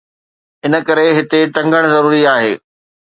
ان ڪري هتي ٽنگڻ ضروري آهي